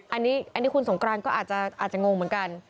อันนี้คุณสงกรานก็อาจจะงงเหมือนกัน